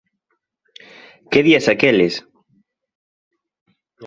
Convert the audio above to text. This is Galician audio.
¡Que días aqueles!